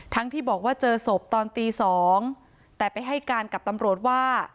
ที่บอกว่าเจอศพตอนตีสองแต่ไปให้การกับตำรวจว่า